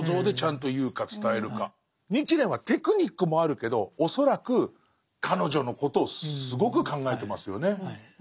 日蓮はテクニックもあるけど恐らく彼女のことをすごく考えてますよね。